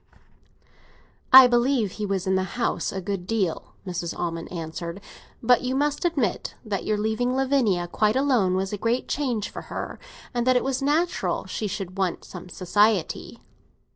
"I believe he was in the house a good deal," Mrs. Almond answered. "But you must admit that your leaving Lavinia quite alone was a great change for her, and that it was natural she should want some society."